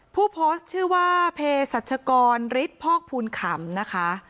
ผู้โพสต์ชื่อว่าเพศรัชกรฤทธิ์พอกภูลขำนะคะ